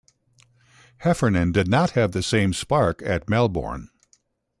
Heffernan did not have the same spark at Melbourne.